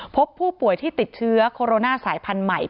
พบผู้ป่วยที่ติดเชื้อโคโรนาสายพันธุ์ใหม่